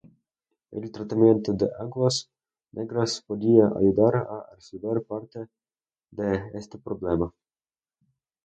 El tratamiento de aguas negras podría ayudar a resolver parte de este problema.